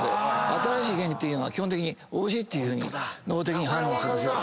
新しい経験っていうのは基本的においしいっていうふうに脳的に判断するんですよ。